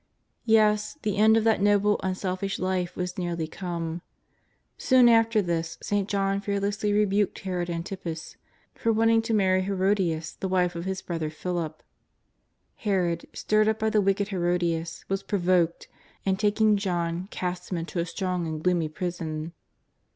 Yes, the end of that noble, unselfish life was nearly come. Soon after this St. John fearlessly rebuked Herod Antipas for wanting to marry Herodias, the wife of his brother Philip. Herod, stirred up by the wicked Herodias, was provoked, and taking John cast him into a strong and gloomy prison.